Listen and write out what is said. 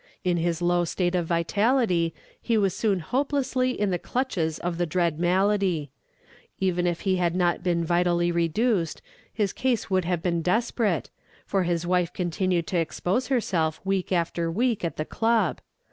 In his low state of vitality, he was soon hopelessly in the clutches of the dread malady. Even if he had not been vitally reduced, his case would have been desperate, for his wife continued to expose herself week after week at the club.